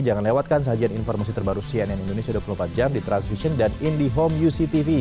jangan lewatkan sajian informasi terbaru cnn indonesia dua puluh empat jam di transvision dan indie home uc tv